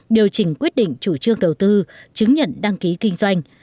điều chỉnh quyết định chủ trương đầu tư chứng nhận đăng ký kinh doanh